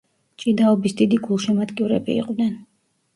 ჭიდაობის დიდი გულშემატკივრები იყვნენ.